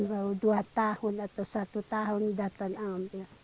baru dua tahun atau satu tahun datang ambil